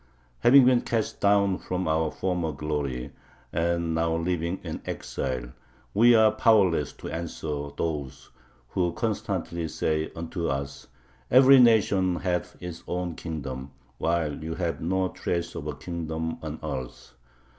Having been cast down from our former glory, and now living in exile, we are powerless to answer those who constantly say unto us: "Every nation hath its own kingdom, while you have no trace [of a kingdom] on earth."